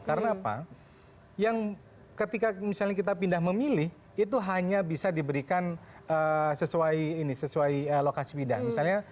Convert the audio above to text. karena apa yang ketika misalnya kita pindah memilih itu hanya bisa diberikan sesuai lokasi pindahan